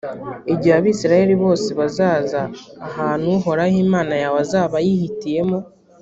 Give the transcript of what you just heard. igihe abayisraheli bose bazaza ahantu uhoraho imana yawe azaba yihitiyemo